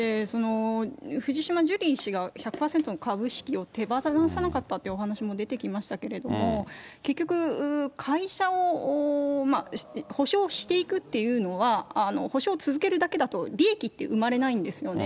藤島ジュリー氏が１００％の株式を手放さなかったというお話も出てきましたけれども、結局、会社を、補償していくというのは、補償を続けるだけだと、利益って生まれないんですよね。